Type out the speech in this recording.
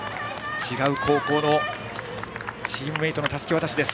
違う高校のチームメートとのたすき渡しです。